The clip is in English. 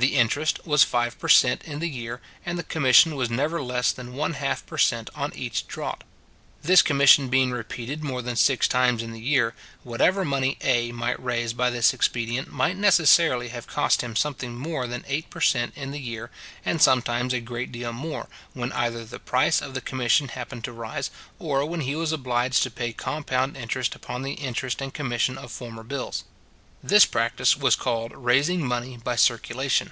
The interest was five per cent. in the year, and the commission was never less than one half per cent. on each draught. This commission being repeated more than six times in the year, whatever money A might raise by this expedient might necessarily have cost him something more than eight per cent. in the year and sometimes a great deal more, when either the price of the commission happened to rise, or when he was obliged to pay compound interest upon the interest and commission of former bills. This practice was called raising money by circulation.